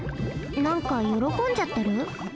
なんかよろこんじゃってる？